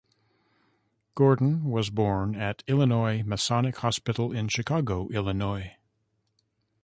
Gordon was born at Illinois Masonic Hospital in Chicago, Illinois.